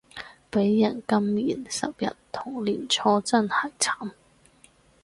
畀人禁言十日同連坐真係慘